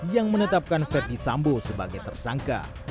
yang menetapkan ferdisambu sebagai tersangka